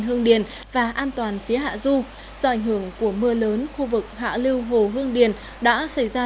hương điền và an toàn phía hạ du do ảnh hưởng của mưa lớn khu vực hạ lưu hồ hương điền đã xảy ra